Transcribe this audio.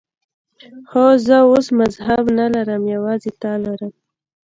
خو زه اوس مذهب نه لرم، یوازې تا لرم.